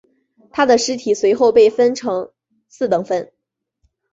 他的尸体随后被分成四等分。